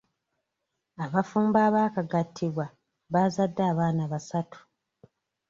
Abafumbo abaakagattibwa baazadde abaana basatu.